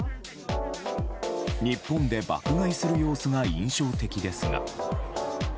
日本で爆買いする様子が印象的ですが。